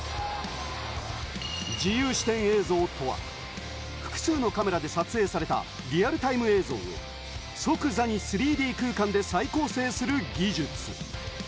自由視点映像とは複数のカメラで撮影されたリアルタイム映像を即座に３Ｄ空間で再構成する技術。